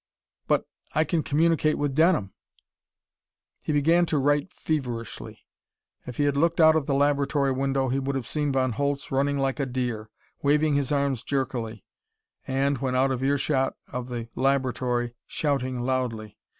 "But I can communicate with Denham!" He began to write feverishly. If he had looked out of the laboratory window, he would have seen Von Holtz running like a deer, waving his arms jerkily, and when out of earshot of the laboratory shouting loudly.